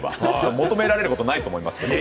求められることはないと思いますけれども。